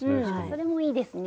それもいいですね。